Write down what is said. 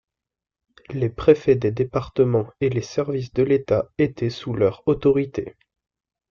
Les préfets des départements et les services de l’État étaient sous leur autorité.